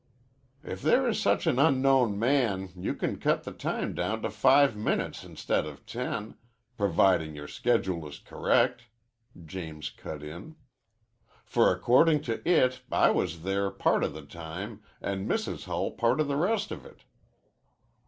"If there is such an unknown man you can cut the time down to five minutes instead of ten, providing your schedule is correct," James cut in. "For according to it I was there part of the time and Mrs. Hull part of the rest of it."